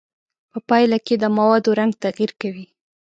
په پایله کې د موادو رنګ تغیر کوي.